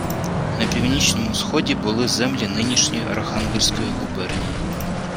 «На північному сході були землі нинішньої Архангельської губернії